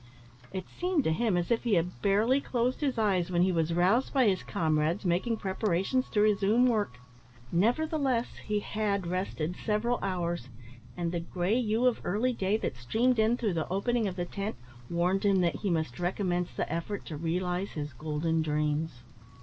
It seemed to him as if he had barely closed his eyes, when he was roused by his comrades making preparations to resume work; nevertheless, he had rested several hours, and the grey hue of early day that streamed in through the opening of the tent warned him that he must recommence the effort to realise his golden dreams.